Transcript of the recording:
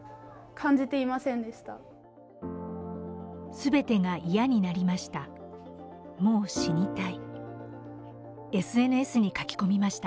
「すべてが嫌になりました」